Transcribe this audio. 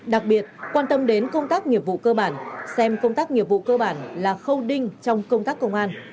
đặc biệt quan tâm đến công tác nghiệp vụ cơ bản xem công tác nghiệp vụ cơ bản là khâu đinh trong công tác công an